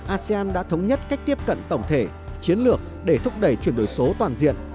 asean đã thống nhất cách tiếp cận tổng thể chiến lược để thúc đẩy chuyển đổi số toàn diện